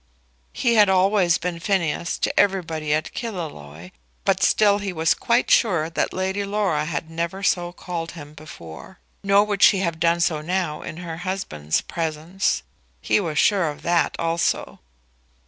He had always been Phineas to everybody at Killaloe. But still he was quite sure that Lady Laura had never so called him before. Nor would she have done so now in her husband's presence. He was sure of that also.